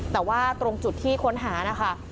แต่ว่าตรงจุดที่ค้นหานะคะ